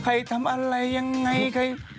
ใครทำอะไรยังไง